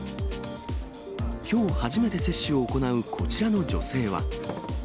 きょう初めて接種を行う、こちらの女性は。